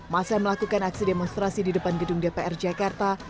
masa melakukan aksi demonstrasi di depan gedung dpr jakarta